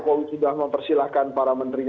jokowi sudah mempersilahkan para menteri